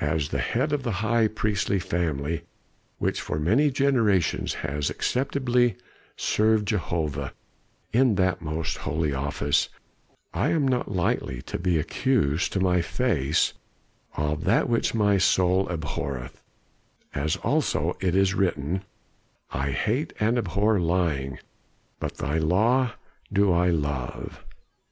As the head of the high priestly family, which for many generations has acceptably served Jehovah in that most holy office, I am not lightly to be accused to my face of that which my soul abhorreth, as also it is written: 'I hate and abhor lying, but thy law do I love.